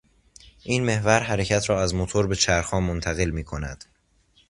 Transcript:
این محور، حرکت را از موتور به چرخها منتقل میکند.